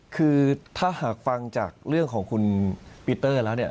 คือถ้าหากฟังจากเรื่องของคุณปีเตอร์แล้วเนี่ย